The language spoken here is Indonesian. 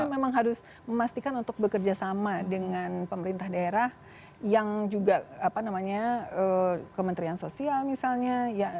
memang harus memastikan untuk bekerja sama dengan pemerintah daerah yang juga apa namanya kementerian sosial misalnya